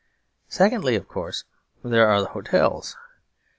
Secondly, of course, there are the hotels.